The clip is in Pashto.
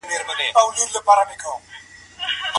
هغه په بڼ کي ګلان ټولول.